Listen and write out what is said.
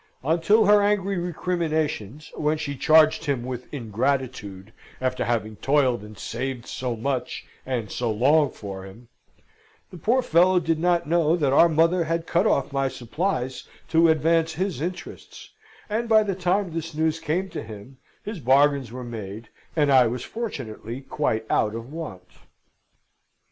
Until her angry recriminations (when she charged him with ingratitude, after having toiled and saved so much and so long for him), the poor fellow did not know that our mother had cut off my supplies to advance his interests; and by the time this news came to him his bargains were made, and I was fortunately quite out of want.